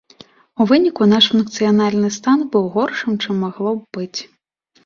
У выніку наш функцыянальны стан быў горшым, чым магло б быць.